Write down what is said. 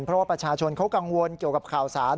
เพราะว่าประชาชนเขากังวลเกี่ยวกับข่าวสาร